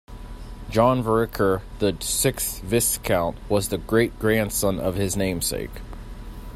John Vereker, the sixth Viscount, was the great-grandson of his namesake.